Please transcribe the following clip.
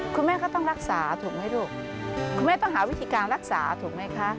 คุณแม่ก็ต้องรักษาถูกไหมลูกคุณแม่ต้องหาวิธีการรักษาถูกไหมคะ